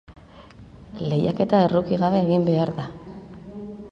Lehiaketa erruki gabe egin behar da.